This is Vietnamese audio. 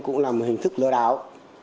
cũng là một hình thức lừa đáo